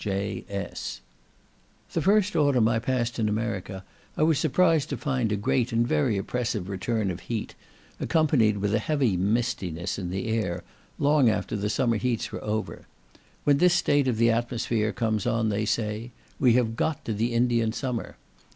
JS." The first autumn I passed in America, I was surprised to find a great and very oppressive return of heat, accompanied with a heavy mistiness in the air, long after the summer heats were over; when this state of the atmosphere comes on, they say, "we have got to the Indian summer."